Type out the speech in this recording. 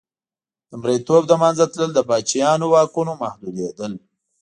د مریتوب له منځه تلل د پاچاهانو واکونو محدودېدل.